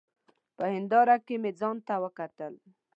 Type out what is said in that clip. په هېنداره کي مي ځانته وکتل !